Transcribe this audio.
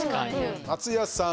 松也さん。